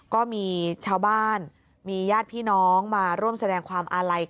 ก็มีเช้าบ้านมีญาติพี่น้องมาร่วมแสดงความอาลัยพันธุ์ขึ้น